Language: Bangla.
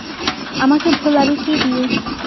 আমাকে ভোলাবি কী দিয়ে?